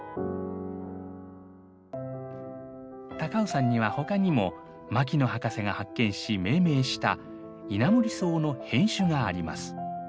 高尾山にはほかにも牧野博士が発見し命名したイナモリソウの変種があります。